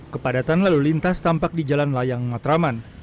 kepadatan lalu lintas tampak di jalan layang matraman